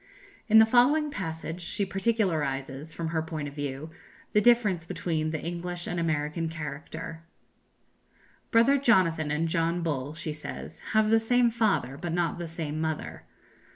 In the following passage she particularizes, from her point of view, the difference between the English and American character: "Brother Jonathan and John Bull," she says, "have the same father, but not the same mother.